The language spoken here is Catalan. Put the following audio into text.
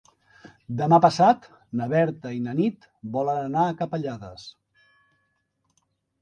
Demà passat na Berta i na Nit volen anar a Capellades.